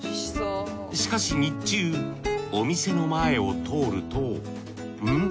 しかし日中お店の前を通るとん？